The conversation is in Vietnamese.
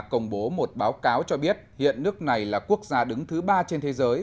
công bố một báo cáo cho biết hiện nước này là quốc gia đứng thứ ba trên thế giới